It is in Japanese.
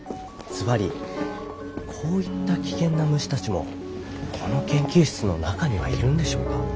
ずばりこういった危険な虫たちもこの研究室の中にはいるんでしょうか？